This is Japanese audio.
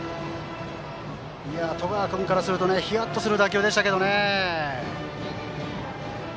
十川君からするとヒヤッとする打球でしたね。